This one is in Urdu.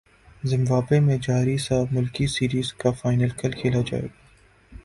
زمبابوے میں جاری سہ ملکی سیریز کا فائنل کل کھیلا جائے گا